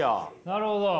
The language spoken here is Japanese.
なるほど。